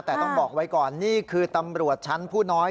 แต่ต้องบอกไว้ก่อนนี่คือตำรวจชั้นผู้น้อย